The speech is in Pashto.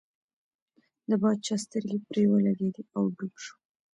د باچا سترګې پر ولګېدې او ډوب شو.